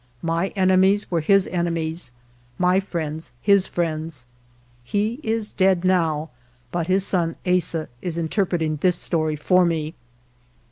My enemies were his enemies, my friends his friends. He is dead now, but his son Asa is interpreting this story for me.